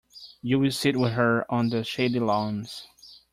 You will sit with her on the shady lawns.